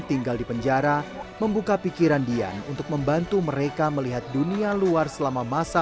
tinggal di penjara membuka pikiran dian untuk membantu mereka melihat dunia luar selama masa